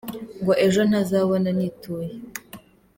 Ngo ejo ntazabona nituye!